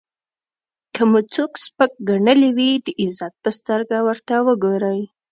که مو څوک سپک ګڼلی وي د عزت په سترګه ورته وګورئ.